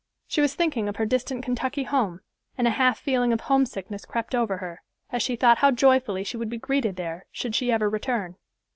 She was thinking of her distant Kentucky home, and a half feeling of homesickness crept over her, as she thought how joyfully she would be greeted there, should she ever return.